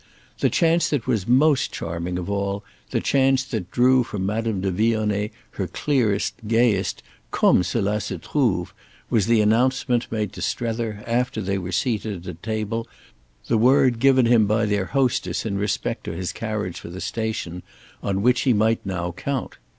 The chance that was most charming of all, the chance that drew from Madame de Vionnet her clearest, gayest "Comme cela se trouve!" was the announcement made to Strether after they were seated at table, the word given him by their hostess in respect to his carriage for the station, on which he might now count.